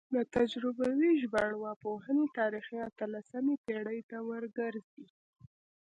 د تجربوي ژبارواپوهنې تاریخ اتلسمې پیړۍ ته ورګرځي